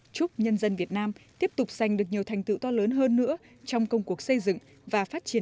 chúc nhân dân việt nam tiếp tục giành được nhiều thành tựu to lớn hơn nữa trong công cuộc xây dựng và phát triển